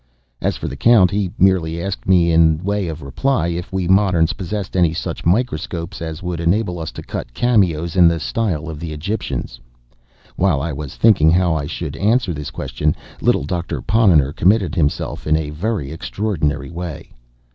As for the Count, he merely asked me, in the way of reply, if we moderns possessed any such microscopes as would enable us to cut cameos in the style of the Egyptians. While I was thinking how I should answer this question, little Doctor Ponnonner committed himself in a very extraordinary way.